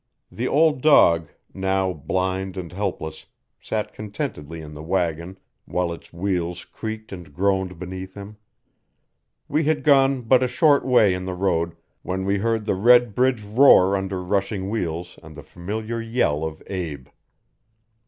The old dog, now blind and helpless, sat contentedly in the wagon while its wheels creaked and groaned beneath him. We had gone but a short way in the road when we heard the red bridge roar under rushing wheels and the familiar yell of Abe.